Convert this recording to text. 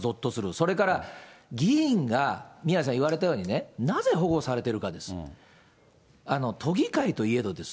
それから、議員が、宮根さん、言われたように、なぜ保護されているかということです。